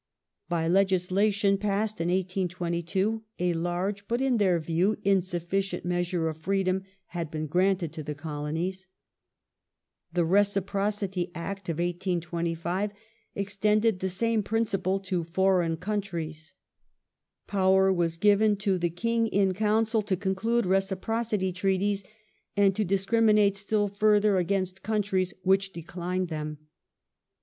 ^ By legislation passed in 1822 a large, but in their view insufficient, measure of freedom had been granted to the Colonies.^ The Reciprocity Act of 1825 extended the same principle to foreign countries. Power was given to the King in Council to conclude reciprocity treaties and to discrimi nate still further against countries which declined them.